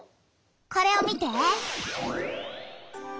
これを見て！